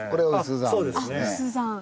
そうですね。